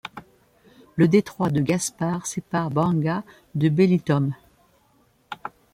Le détroit de Gaspar sépare Bangka de Belitung.